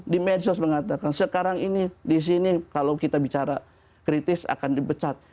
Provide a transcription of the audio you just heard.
di medsos mengatakan sekarang ini di sini kalau kita bicara kritis akan dipecat